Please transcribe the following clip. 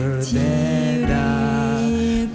รักเชิญเกินมา